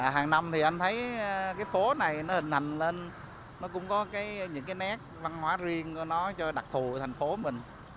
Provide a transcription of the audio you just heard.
hàng năm thì anh thấy cái phố này nó hình hành lên nó cũng có những cái nét văn hóa riêng của nó cho đặc thù thành phố mình